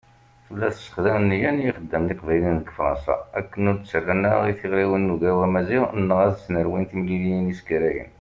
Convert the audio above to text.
Tella tessexdam nniya n yixeddamen iqbayliyen deg Fṛansa akken ur d-ttarran ara i tiɣriwin n Ugraw Amaziɣ neɣ ad s-nerwin timliliyin iskarayen.